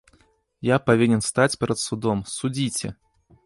Я павінен стаць перад судом, судзіце!